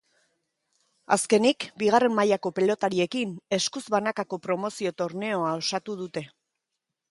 Azkenik, bigarren mailako pelotariekin eskuz banakako promozio torneoa osatu dute.